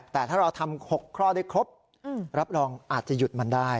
แต่ถ้าเราทำ๖ข้อได้ครบรับรองอาจจะหยุดมันได้